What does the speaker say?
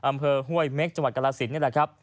อำเภอห้วยเม็กส์จังหวัดกรสินทร์